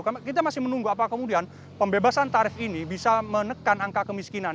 karena kita masih menunggu apa kemudian pembebasan tarif ini bisa menekan angka kemiskinan